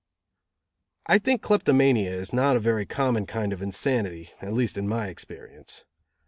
I think kleptomania is not a very common kind of insanity, at least in my experience.